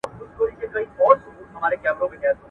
معلومه نه ده چي بوډا ته یې دی غوږ نیولی!